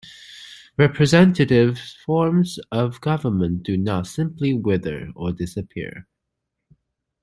Representative forms of government do not simply wither, or disappear.